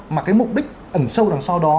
mà cái mục đích ẩn sâu đằng sau đó